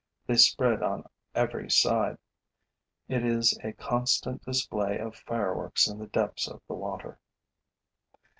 They spread on every side. It is a constant display of fireworks in the depths of the water.